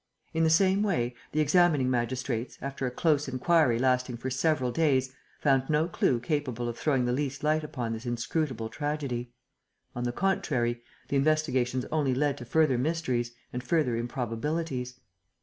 In the same way, the examining magistrates, after a close inquiry lasting for several days, found no clue capable of throwing the least light upon this inscrutable tragedy. On the contrary, the investigations only led to further mysteries and further improbabilities.